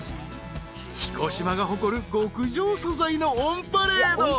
［彦島が誇る極上素材のオンパレード］